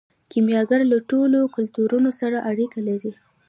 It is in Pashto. کیمیاګر له ټولو کلتورونو سره اړیکه لري.